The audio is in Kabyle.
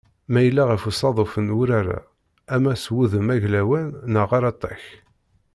Ma yella ɣef uṣaḍuf n wurar-a, ama s wudem aglawan, neɣ aratak.